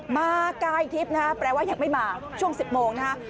มากายทิปเรียกว่ายังไม่มาช่วง๑๐โมงนะฮะ